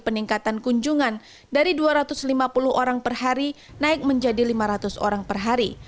peningkatan kunjungan dari dua ratus lima puluh orang per hari naik menjadi lima ratus orang per hari